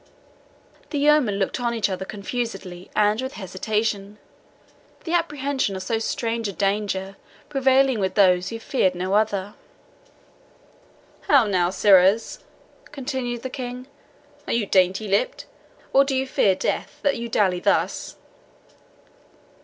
The yeomen looked on each other confusedly and with hesitation, the apprehension of so strange a danger prevailing with those who feared no other. "How now, sirrahs," continued the King, "are you dainty lipped, or do you fear death, that you daily thus?"